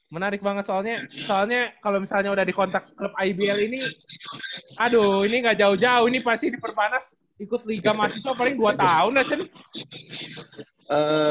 menarik banget soalnya soalnya kalau misalnya udah dikontak klub ibl ini aduh ini enggak jauh jauh ini pasti di purwanas ikut liga mahasiswa paling dua tahun aja nih